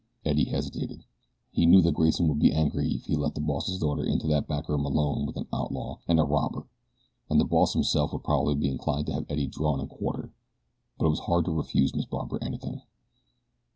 Eddie hesitated. He knew that Grayson would be angry if he let the boss's daughter into that back room alone with an outlaw and a robber, and the boss himself would probably be inclined to have Eddie drawn and quartered; but it was hard to refuse Miss Barbara anything.